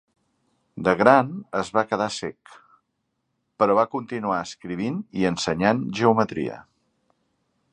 De gran es va quedar cec, però va continuar escrivint i ensenyant geometria.